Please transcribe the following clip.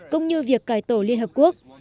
cũng như việc cải tổ liên hợp quốc